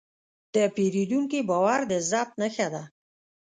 د پیرودونکي باور د عزت نښه ده.